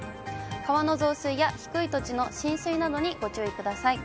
川の増水や低い土地の浸水などにご注意ください。